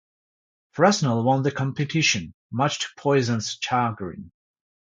Fresnel won the competition, much to Poisson's chagrin.